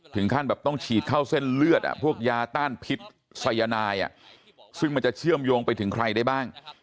ถึงขั้นแบบต้องฉีดเข้าเส้นเลือดพวกยาต้านพิษสายนายซึ่งมันจะเชื่อมโยงไปถึงใครได้บ้าง